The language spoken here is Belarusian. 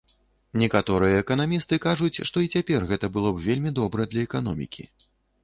Некаторыя эканамісты кажуць, што і цяпер гэта было б вельмі добра для эканомікі.